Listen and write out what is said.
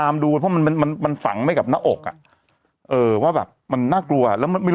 คุณแฟนเพื่อไปเลาร๋อ